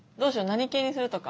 何系にするとか。